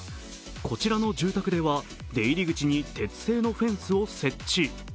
こちらの住宅では出入り口に鉄製のフェンスを設置。